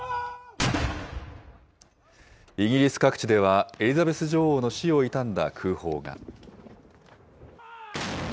イギリス各地では、エリザベス女王の死を悼んだ空砲が。